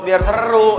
biar seru iya gak